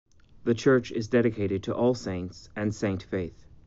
The church is dedicated to All Saints and Saint Faith.